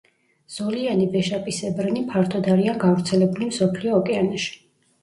ზოლიანი ვეშაპისებრნი ფართოდ არიან გავრცელებული მსოფლიო ოკეანეში.